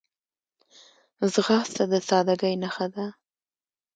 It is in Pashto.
ځغاسته د سادګۍ نښه ده